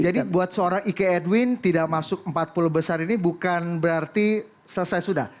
jadi buat seorang ik edwin tidak masuk empat puluh besar ini bukan berarti selesai sudah